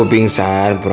aku tadi pengsan aku pengsan